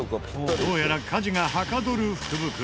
どうやら家事がはかどる福袋。